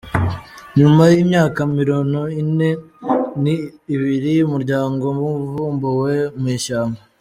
Nyuma y’imyaka mirono ine ni ibiri umuryango wavumbuwe mu ishyamba